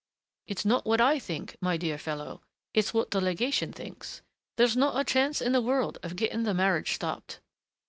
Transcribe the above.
"It's not what I think, my dear fellow, it's what the legation thinks. There's not a chance in the world of getting the marriage stopped."